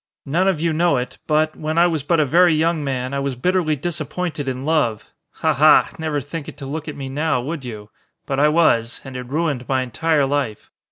None of you know it, but, when I was but a very young man I was bitterly disappointed in love. Ha! ha! Never think it to look at me now, would you? But I was, and it ruined my entire life.